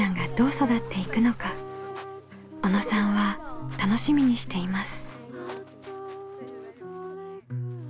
小野さんは楽しみにしています。